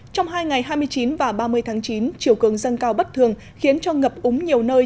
trong hai ngày hai mươi chín và ba mươi tháng chín chiều cường dâng cao bất thường khiến cho ngập úng nhiều nơi